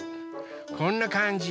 こんなかんじ。